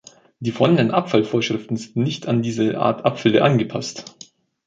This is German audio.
Die vorhandenen Abfallvorschriften sind nicht an diese Art Abfälle angepasst.